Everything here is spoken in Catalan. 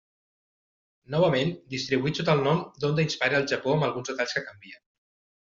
Novament, distribuït sota el nom d'Honda Inspire al Japó amb alguns detalls que canvien.